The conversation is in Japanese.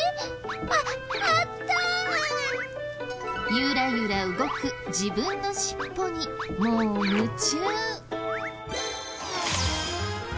ゆらゆら動く自分のしっぽにもう夢中。